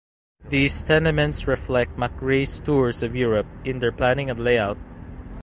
These tenements reflect MacRae's tours of Europe in their planning and layout.